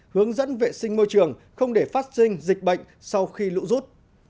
hướng dẫn vệ sinh môi trường không để phát sinh dịch bệnh sau khi lũ rút